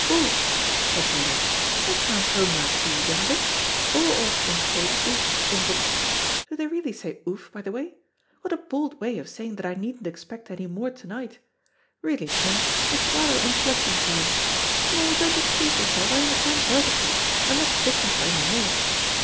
"Ouf," said Dodo; "that sounds homelike to you, doesn't it? All Austrians say 'ouf' in books do they really say 'ouf,' by the way? What a bald way of saying that I needn't expect any more to night. Really, Prince, that's rather unflattering to you. No, don't excuse yourself; I understand perfectly. I'm not fishing for any more.